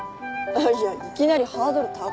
いやいきなりハードル高っ。